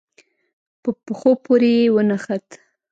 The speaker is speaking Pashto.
په پښو پورې يې ونښت.